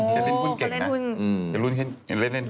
เขาเล่นหุ้นเก่งนะ